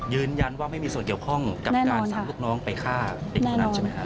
ยืนยันว่าไม่มีส่วนเกี่ยวข้องกับการสั่งลูกน้องไปฆ่าเด็กพนันใช่ไหมครับ